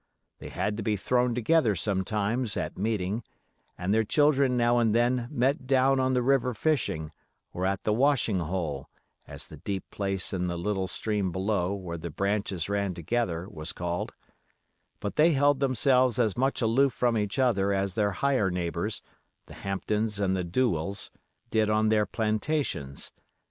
They had to be thrown together sometimes "at meeting", and their children now and then met down on the river fishing, or at "the washing hole", as the deep place in the little stream below where the branches ran together was called; but they held themselves as much aloof from each other as their higher neighbors, the Hampdens and the Douwills, did on their plantations.